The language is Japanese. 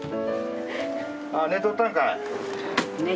寝とったんかい？